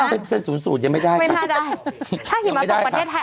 ถ้าหิมะตกประเทศไทย